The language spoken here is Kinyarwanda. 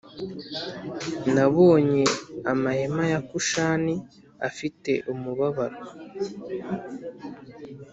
Nabonye amahema ya Kushani afite umubabaro